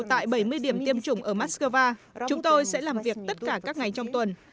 tại bảy mươi điểm tiêm chủng ở moscow chúng tôi sẽ làm việc tất cả các ngày trong tuần